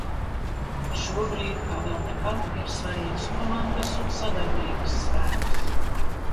Šobrīd, kā vēl nekad, ir svarīgs komandas un sadarbības spēks!